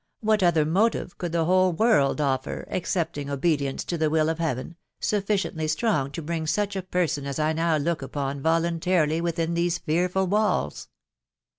» what other motive could the whole world offer, excepting obedience to the will of Heaven, sufficiently strong to bring such a person as I now look upon voluntarily within these fearful walls